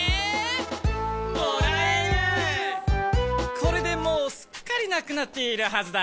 これでもうすっかりなくなっているはずだ。